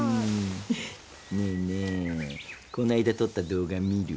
ねえねえこないだ撮った動画見る？